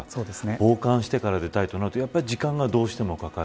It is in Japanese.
防寒してから出たいとなるとどうしても時間がかかる。